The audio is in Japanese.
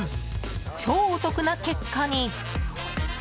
超お得な結果に。